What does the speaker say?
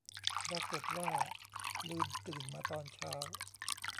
ปรากฏว่าลืม ตื่นมาตอนเช้า